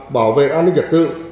bảo vệ an ninh dân tự